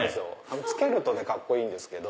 着けるとカッコいいんですけど。